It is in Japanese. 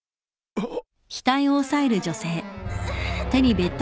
あっ！？